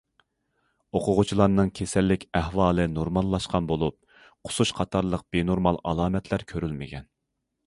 ئوقۇغۇچىلارنىڭ كېسەللىك ئەھۋالى نورماللاشقان بولۇپ، قۇسۇش قاتارلىق بىنورمال ئالامەتلەر كۆرۈلمىگەن.